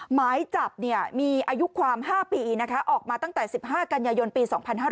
หมายจับมีอายุความ๕ปีออกมาตั้งแต่๑๕กันยายนปี๒๕๕๙